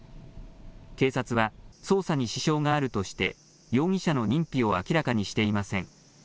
警察は捜査に支障があるとして容疑者の認否を明らかにしていません。